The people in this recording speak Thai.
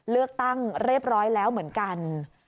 เลือกตั้งเรียบร้อยแล้วเหมือนกัน